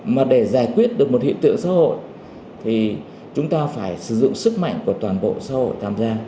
mà để giải quyết được một hiện tượng xã hội thì chúng ta phải sử dụng sức mạnh của toàn bộ xã hội tham gia